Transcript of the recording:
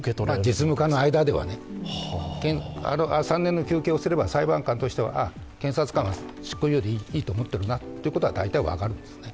実務家の間ではね、３年の求刑をすれば裁判官としては、検察官は執行猶予でいいと思ってるなということは大体分かる。